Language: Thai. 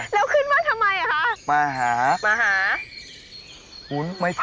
แล้วขึ้นมาทำไมอ่ะคะ